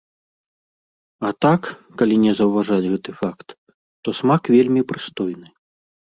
А так, калі не заўважаць гэты факт, то смак вельмі прыстойны.